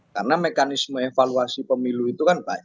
karena mekanisme evaluasi pemilu itu kan banyak